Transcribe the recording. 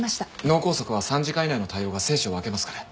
脳梗塞は３時間以内の対応が生死を分けますから。